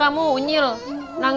amin ya allah